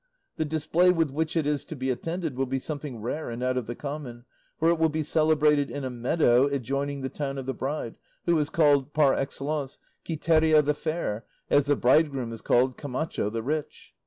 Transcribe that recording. The display with which it is to be attended will be something rare and out of the common, for it will be celebrated in a meadow adjoining the town of the bride, who is called, par excellence, Quiteria the fair, as the bridegroom is called Camacho the rich.